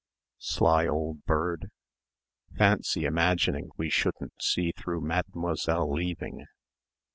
"Sly old bird." "Fancy imagining we shouldn't see through Mademoiselle leaving."